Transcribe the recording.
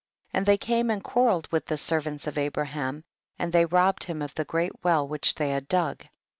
5. And they came and quarreled with the servants of Abraham, and they robbed them of the great well which they had dug.